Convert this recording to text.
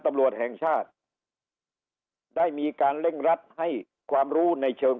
ตำรวจแห่งชาติได้มีการเร่งรัดให้ความรู้ในเชิง